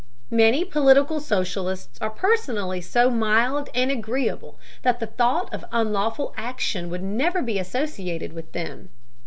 Many political socialists are personally so mild and agreeable that the thought of unlawful action would never be associated with them.